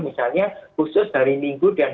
misalnya khusus hari minggu dan